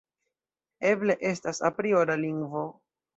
Eble estas apriora lingvo.